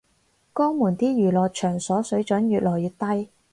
江門啲娛樂場所水準越來越低